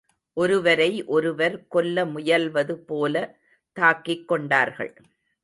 ஒருவரை ஒருவர் கொல்ல முயல்வது போல தாக்கிக்கொண்டார்கள்.